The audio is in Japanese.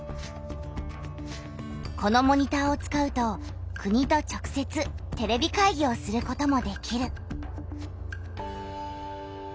このモニターを使うと国と直せつテレビ会議をすることもできる。